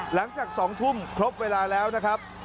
หลังจาก๒ทุ่มครบเวลาแล้วนะครับ